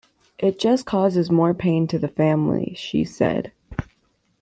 It just causes more pain to the family, she said.